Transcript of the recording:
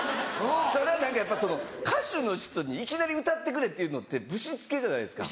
何かやっぱ歌手の人にいきなり「歌ってくれ」って言うのってぶしつけじゃないですか。